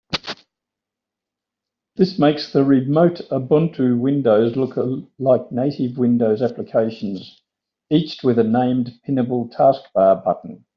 This makes the remote Ubuntu windows look like native Windows applications, each with a named pinnable taskbar button.